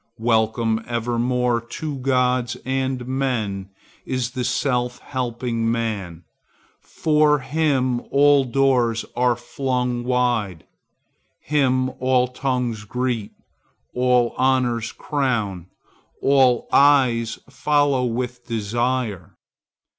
Welcome evermore to gods and men is the self helping man. For him all doors are flung wide; him all tongues greet, all honors crown, all eyes follow with desire.